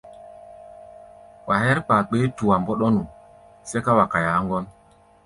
Wa hɛ́r kpakpé-tua mbɔ́ɗɔ́nu, sɛ́ká wa kaia á ŋgɔ́n.